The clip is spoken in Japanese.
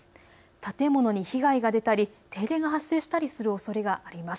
建物に被害が出たり停電が発生したりするおそれがあります。